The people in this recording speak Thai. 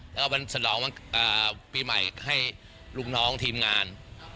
แล้วก็วันฉลองปีใหม่ให้ลูกน้องทีมงาน